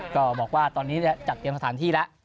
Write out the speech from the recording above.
ก็บอกว่าตอนนี้จัดเตรียมสถานที่แล้ว